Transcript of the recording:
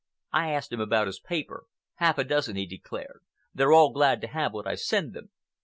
I asked him about his paper. 'Half a dozen,' he declared. 'They're all glad to have what I send them.